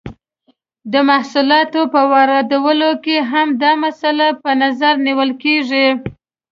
د محصولاتو په واردولو کې هم دا مسئله په نظر نیول کیږي.